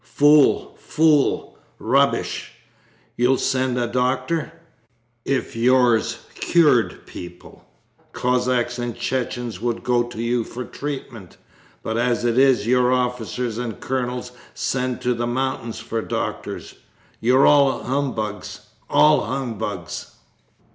'Fool, fool! Rubbish. You'll send a doctor! If yours cured people, Cossacks and Chechens would go to you for treatment, but as it is your officers and colonels send to the mountains for doctors. Yours are all humbugs, all humbugs.'